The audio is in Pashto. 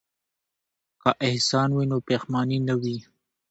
که احسان وي نو پښیماني نه وي.